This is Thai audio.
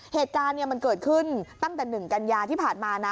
เหตุการณ์มันเกิดขึ้นตั้งแต่๑กันยาที่ผ่านมานะ